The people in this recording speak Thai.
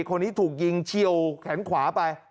คนนี้ถูกยิงเฉียวแขนขวาไป